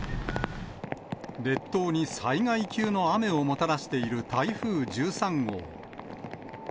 列島に災害級の雨をもたらしている台風１３号。